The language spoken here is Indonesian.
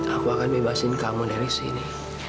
aku akan bebasin kamu dari sini